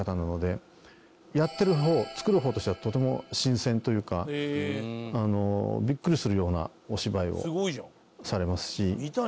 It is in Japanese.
やってる方作る方としてはとても新鮮というかビックリするようなお芝居をされますし。